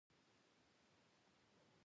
امه که اړين دي